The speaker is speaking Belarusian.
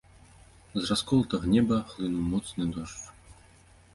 З расколатага неба хлынуў моцны дождж.